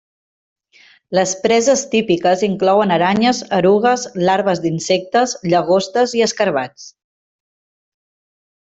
Les preses típiques inclouen aranyes, erugues, larves d'insectes, llagostes i escarabats.